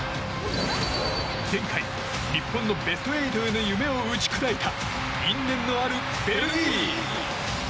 前回日本のベスト８への夢を砕いた因縁のあるベルギー。